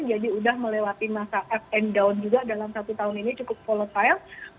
jadi sudah melewati masa up and down juga dalam satu tahun ini cukup volatile